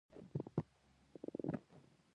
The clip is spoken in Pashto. د عربو دا چلند خوند نه راکوي.